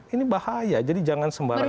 ini bahaya jadi jangan sembarangan